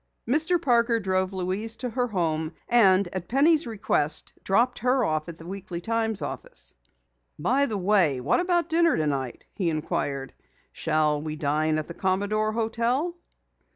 Mr. Parker drove Louise to her home, and at Penny's request dropped her off at the Weekly Times office. "By the way, what about dinner tonight?" he inquired. "Shall we dine at the Commodore Hotel?"